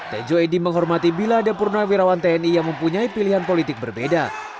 tejo edipur menghormati bila ada purna wirawan tni yang mempunyai pilihan politik berbeda